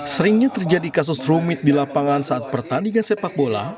seringnya terjadi kasus rumit di lapangan saat pertandingan sepak bola